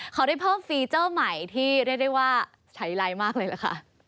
เขาได้เพิ่มฟีเจอล์ใหม่ที่ได้ให้ว่าใช้ไลน์มากเลย